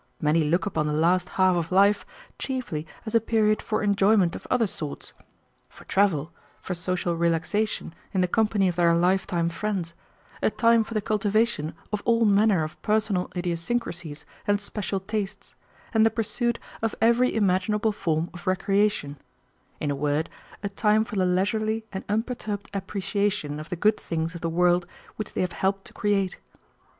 Many look upon the last half of life chiefly as a period for enjoyment of other sorts; for travel, for social relaxation in the company of their life time friends; a time for the cultivation of all manner of personal idiosyncrasies and special tastes, and the pursuit of every imaginable form of recreation; in a word, a time for the leisurely and unperturbed appreciation of the good things of the world which they have helped to create.